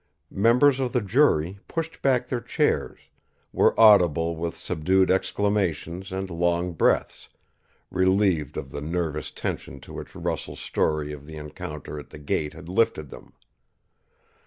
Members of the jury pushed back their chairs, were audible with subdued exclamations and long breaths, relieved of the nervous tension to which Russell's story of the encounter at the gate had lifted them.